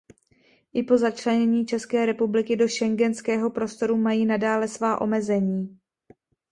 I po začlenění České republiky do Schengenského prostoru mají nadále svá omezení.